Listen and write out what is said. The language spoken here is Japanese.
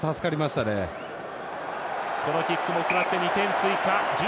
キックも決まって２点追加。